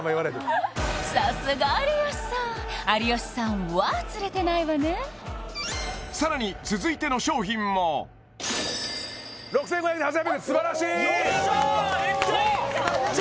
さすが有吉さん有吉さん「は」ズレてないわねさらに続いての商品も６５００円と８８００円素晴らしいよっしゃめっちゃいい